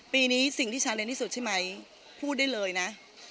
ปีนี้สิ่งที่ชาเรียนที่สุดใช่ไหมพูดได้เลยนะ